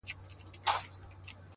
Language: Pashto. تمرکز بریا ته لاره لنډوي’